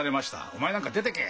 「お前なんか出てけ。